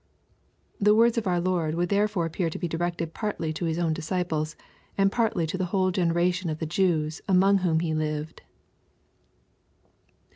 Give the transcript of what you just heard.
The words of our Lord would therefore appear to be directed partly to His own disciples, and partly to the whole generation of the Jews among whom He lived.